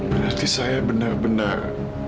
berarti saya benar benar